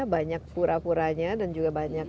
banyak pura puranya dan juga banyak